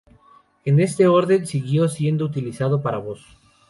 En este orden siguió siendo utilizado para voz.